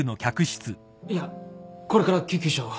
いやこれから救急車を